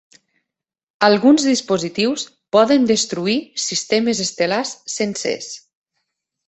Alguns dispositius poden destruir sistemes estel·lars sencers.